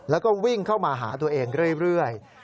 แล้วก็วิ่งเข้ามาหาตัวเองเรื่อย